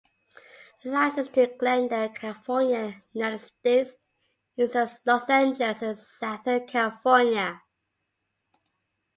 Licensed to Glendale, California, United States, it serves Los Angeles and Southern California.